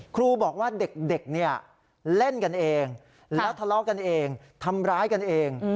ครูบอกว่าเด็กเนี่ยเล่นกันเองแล้วทะเลาะกันเองทำร้ายกันเอง